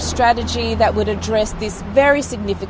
yang akan mengembangkan masalah yang sangat penting